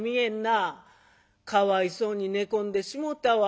「かわいそうに寝込んでしもうたわ。